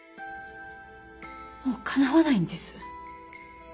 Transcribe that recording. もう叶わないんです。